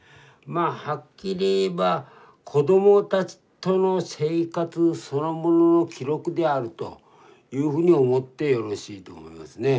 まあはっきり言えば子どもたちとの生活そのものの記録であるというふうに思ってよろしいと思いますね。